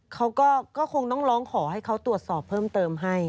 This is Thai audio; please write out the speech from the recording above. เขาก็คงต้องร้องขอให้เขาตรวจสอบเพิ่มเติมให้